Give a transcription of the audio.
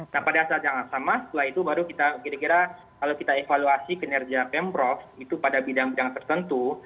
nah pada saat yang sama setelah itu baru kita kira kira kalau kita evaluasi kinerja pemprov itu pada bidang bidang tertentu